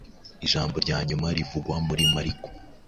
ijambo ryanyuma rivugwa muri mariko